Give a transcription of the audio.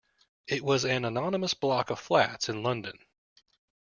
It was an anonymous block of flats in London